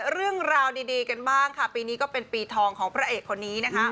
เรื่องราวดีกันบ้างค่ะปีนี้ก็เป็นปีทองของพระเอกคนนี้นะคะ